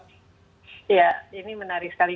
iya ini menarik sekali